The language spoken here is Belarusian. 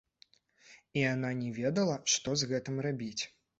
І яна не ведала, што з гэтым рабіць.